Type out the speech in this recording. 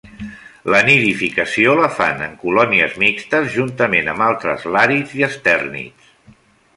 La nidificació la fan en colònies mixtes juntament amb altres làrids i estèrnids.